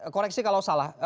koreksi kalau salah